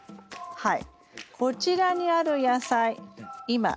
はい。